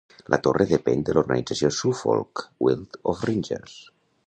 La torre depèn de l'organització Suffolk Guild of Ringers.